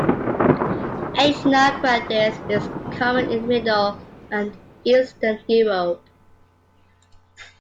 "Aeshna grandis" is common in middle and eastern Europe.